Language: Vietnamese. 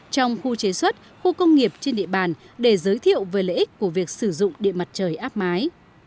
trong khu chế xuất khu công nghiệp trên địa bàn để giới thiệu về lợi ích của việc sử dụng điện mặt trời áp mái